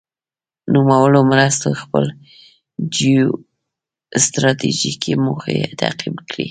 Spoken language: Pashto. نوموړو مرستو خپل جیو ستراتیجیکې موخې تعقیب کړې.